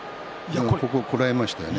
こらえましたよね。